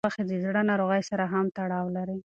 سرې غوښې د زړه ناروغۍ سره هم تړاو لري.